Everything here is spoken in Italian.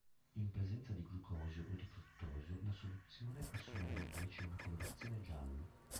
In presenza di glucosio o di fruttosio la soluzione assumerà invece una colorazione giallo.